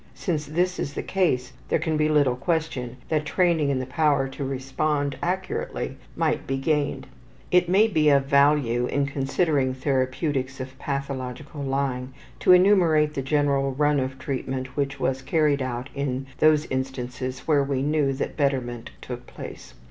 Since this is the case, there can be little question that training in the power to respond accurately might be gained. It may be of value in considering therapeutics of pathological lying to enumerate the general run of treatment which was carried out in those instances where we know that betterment took place.